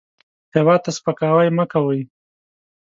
هېواد ته سپکاوی مه کوئ